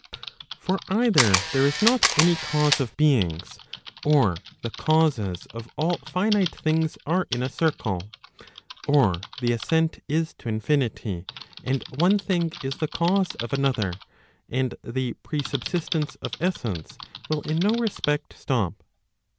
For either there is not any cause of beings, or the causes of all finite thin gs are in a circle, or the ascent is to infinity, and one thing is the cause of another, and the pre>subsistence of essence will in no respect stop.